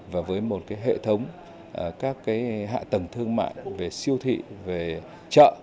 và với một hệ thống các hạ tầng thương mại về siêu thị về chợ